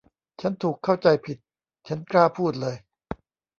ฉันถูกเข้าใจผิด ฉันกล้าพูดเลย